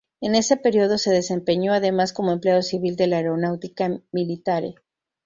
En ese período se desempeñó, además, como empleado civil de la Aeronautica Militare.